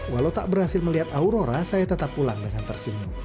walau tak berhasil melihat aurora saya tetap pulang dengan tersenyum